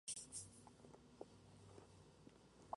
Su mánager Miller Huggins lo llamó "indiferente".